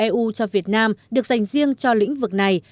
eu tập trung hỗ trợ cho việt nam được dành riêng cho lĩnh vực này